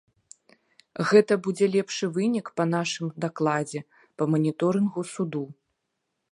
Гэта будзе лепшы вынік па нашым дакладзе па маніторынгу суду.